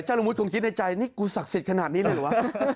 ละมุทคงคิดในใจนี่กูศักดิ์สิทธิ์ขนาดนี้เลยวะ